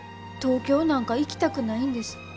東京なんか行きたくないんです。